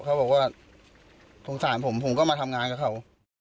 เขาบอกว่าสงสารผมผมก็มาทำงานกับเขา